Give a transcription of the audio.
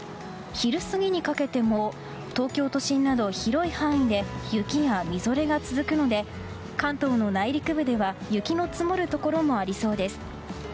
昼過ぎにかけても東京都心など広い範囲で雪やみぞれが続くので関東の内陸部では雪の積もるところもありそうです。